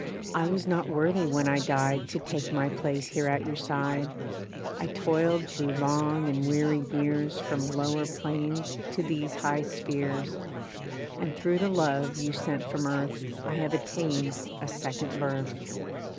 I was not worthy when I died To take my place here at your side; I toiled through long and weary years From lower planes to these high spheres; And through the love you sent from earth I have attained a second birth.